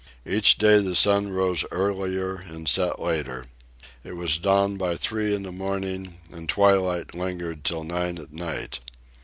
Each day the sun rose earlier and set later. It was dawn by three in the morning, and twilight lingered till nine at night.